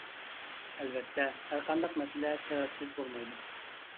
ئەلۋەتتە، ھەر قانداق مەسىلە سەۋەبسىز بولمايدۇ.